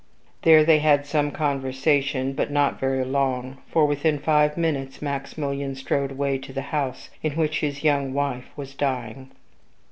There they had some conversation, but not very long, for within five minutes Maximilian strode away to the house in which his young wife was dying.